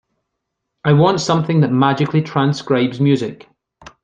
I want something that magically transcribes music.